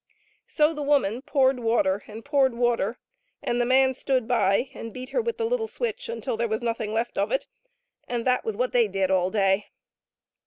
So the woman poured water and poured water, and the man stood by and beat her with the little switch until there was nothing left of it, and that was what they did all day.